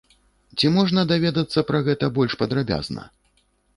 Ці можна даведацца пра гэта больш падрабязна?